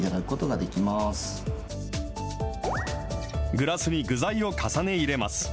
グラスに具材を重ね入れます。